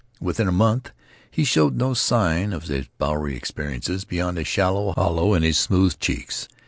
Within a month he showed no signs of his Bowery experiences beyond a shallow hollow in his smooth cheeks.